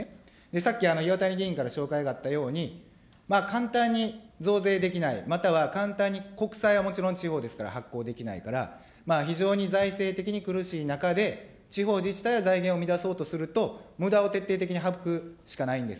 さっき、岩谷議員から紹介があったように、簡単に増税できない、または簡単に国債はもちろん地方ですから発行できないから、非常に財政的に苦しい中で、地方自治体は財源を生み出そうとすると、むだを徹底的に省くしかないんです。